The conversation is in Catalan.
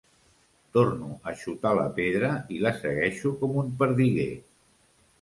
Torno a xutar la pedra i la segueixo com un perdiguer.